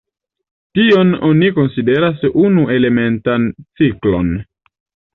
Tion oni konsideras unu-elementan ciklon.